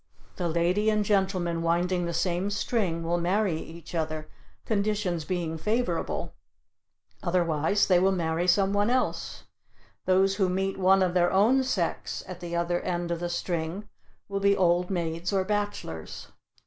The lady and gentleman winding the same string will marry each other, conditions being favorable; otherwise they will marry someone else. Those who meet one of their own sex at the other end of the string will be old maids or bachelors.